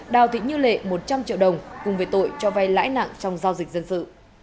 đào thị như lệ một trăm linh triệu đồng cùng với tội cho vay lãi nặng trong giao dịch dân sự